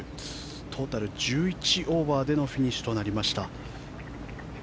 トータル１１オーバーでのフィニッシュとなりました。